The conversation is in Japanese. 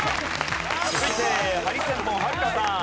続いてハリセンボンはるかさん。